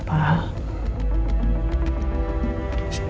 siapa lagi yang tau selain kamu